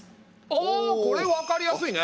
ああこれ分かりやすいね。